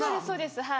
そうです